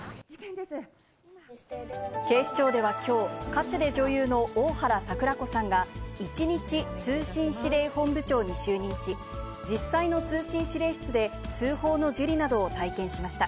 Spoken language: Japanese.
警視庁ではきょう、歌手で女優の大原櫻子さんが、一日通信指令本部長に就任し、実際の通信指令室で、通報の受理などを体験しました。